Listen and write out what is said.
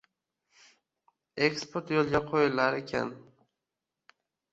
«Eksport yo‘lga qo‘yilar ekan!»